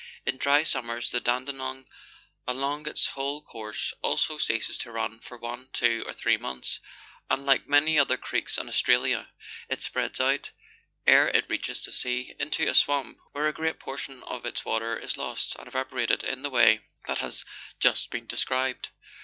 In dry summers the Dandenong, along its whole course, also ceases to run for one, two, or three months, and, like many other creeks in Australia, it spreads out, ere it reaches the sea, into a swamp, where a great portion of its water is lost, and evaporated in the way that has just been described.